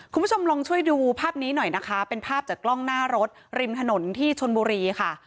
คุณผู้ชมลองช่วยดูภาพนี้หน่อยนะคะเป็นภาพจากกล้องหน้ารถริมถนนที่ชนบุรีค่ะ